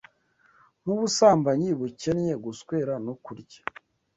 Nkubusambanyi bukennye guswera no kurya